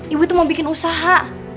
ibu itu mau bikin usaha